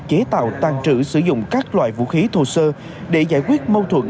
chế tạo tàn trữ sử dụng các loại vũ khí thô sơ để giải quyết mâu thuẫn